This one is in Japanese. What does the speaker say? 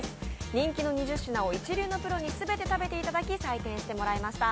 人気の２０品を一流のプロに全て食べていただき採点していただきました。